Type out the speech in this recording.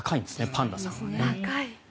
パンダさんは。